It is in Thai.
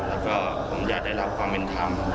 แล้วก็ผมอยากได้รับความเป็นธรรม